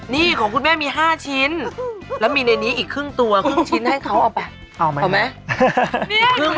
นี่ของคุณแม่มี๕ชิ้นแล้วมีในนี้อีกครึ่งตัวครึ่งชิ้นให้เขาเอาไปเอาไหมเอาไหม